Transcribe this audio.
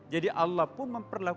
jadi allah pun memperolehnya